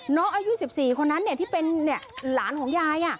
น้องอายุ๑๔คนนั้นที่เป็นหลานของยาย